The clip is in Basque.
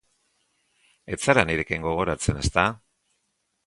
Ez zara nirekin gogoratzen, ezta?